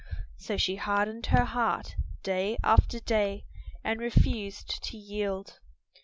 So she hardened her heart day after day and refused to yield.